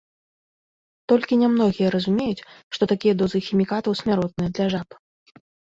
Толькі нямногія разумеюць, што такія дозы хімікатаў смяротныя для жаб.